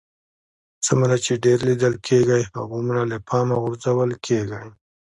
څومره چې ډېر لیدل کېږئ هغومره له پامه غورځول کېږئ